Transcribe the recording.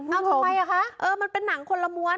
เอาทำไมอ่ะคะเออมันเป็นหนังคนละม้วน